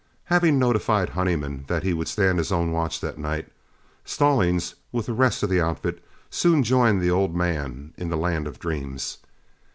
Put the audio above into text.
Having notified Honeyman that he would stand his own watch that night, Stallings, with the rest of the outfit, soon joined the old man in the land of dreams.